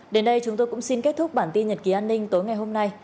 đến đây chúng tôi cũng xin kết thúc bản tin nhật ký an ninh tối ngày hôm nay